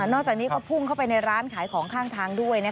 จากนี้ก็พุ่งเข้าไปในร้านขายของข้างทางด้วย